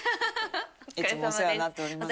いつもお世話になっております。